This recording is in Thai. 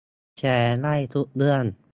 แชร์ได้ทุกเรื่อง